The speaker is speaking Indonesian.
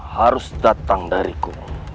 harus datang dariku